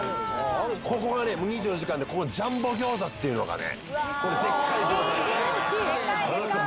ここがね、もう２４時間で、このジャンボギョーザっていうのがね。